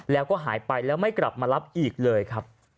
แล้วก็หายไปแล้วไม่กลับมารับอีกเลยครับ